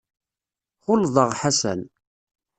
Xulḍeɣ Ḥasan.